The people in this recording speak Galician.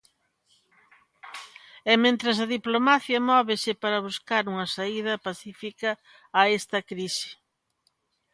E mentres, a diplomacia móvese para buscar unha saída pacífica a esta crise.